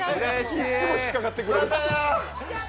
いつも引っ掛ってくれる。